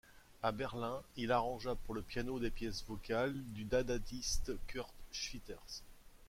À Berlin, il arrangea pour le piano des pièces vocales du dadaïste Kurt Schwitters.